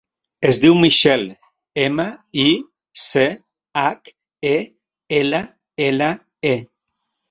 Es diu Michelle: ema, i, ce, hac, e, ela, ela, e.